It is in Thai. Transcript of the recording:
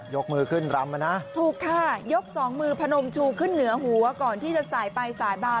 ยกมือขึ้นรำมานะถูกค่ะยกสองมือพนมชูขึ้นเหนือหัวก่อนที่จะสายไปสายมา